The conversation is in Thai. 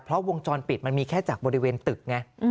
เพราะวงจรปิดมันมีแค่จากบริเวณตึกไง